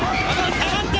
下がって！